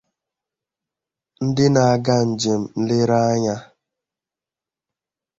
ndị na-aga njem nlere anya